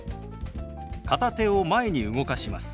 片手を前に動かします。